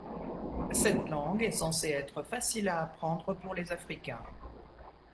Cette langue est censée être facile à apprendre pour les Africains.